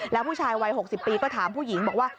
แล้วผู้ชายวัย๖๐ปีก็ถามผู้หญิงบอกว่า